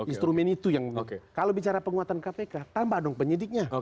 instrumen itu yang kalau bicara penguatan kpk tambah dong penyidiknya